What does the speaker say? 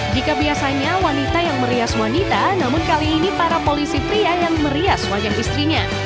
jika biasanya wanita yang merias wanita namun kali ini para polisi pria yang merias wajah istrinya